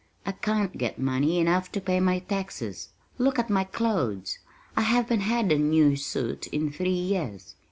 I can't get money enough to pay my taxes. Look at my clothes! I haven't had a new suit in three years.